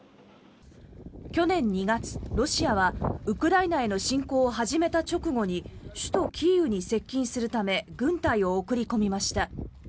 去年２月、ロシアはウクライナへの侵攻を始めた直後に首都キーウに接近するため軍隊を送り込みました。